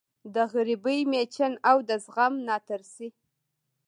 د غریبۍ مېچن او د زغم ناترسۍ